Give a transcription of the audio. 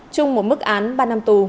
chung một mức án ba năm tù